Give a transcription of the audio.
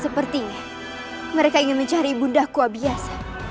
sepertinya mereka ingin mencari bunda kuabias